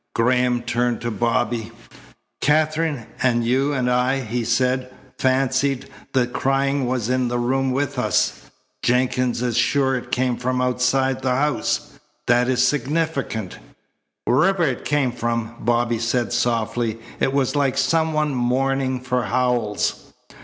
Graham turned to Bobby. "Katherine and you and I," he said, "fancied the crying was in the room with us. Jenkins is sure it came from outside the house. That is significant." "Wherever it came from," Bobby said softly, "it was like some one mourning for Howells."